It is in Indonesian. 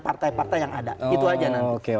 partai partai yang ada itu aja nanti